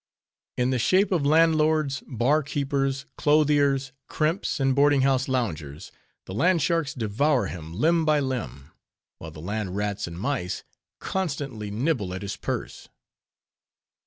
In the shape of landlords, bar keepers, clothiers, crimps, and boarding house loungers, the land sharks devour him, limb by limb; while the land rats and mice constantly nibble at his purse.